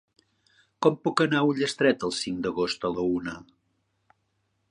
Com puc anar a Ullastret el cinc d'agost a la una?